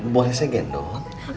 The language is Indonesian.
boleh saya gendong